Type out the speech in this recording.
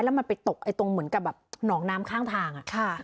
แล้วมันไปตกตรงเหมือนกับแบบหนองน้ำข้างทาง